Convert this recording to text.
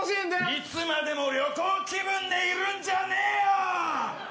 いつまでも旅行気分でいるんじゃねぇよ！